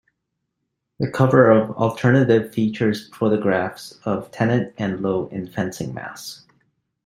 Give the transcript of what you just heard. The cover of "Alternative" features photographs of Tennant and Lowe in fencing masks.